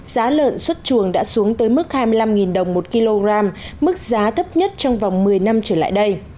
giá lợn xuất chuồng đã xuống tới mức hai mươi năm đồng một kg mức giá thấp nhất trong vòng một mươi năm trở lại đây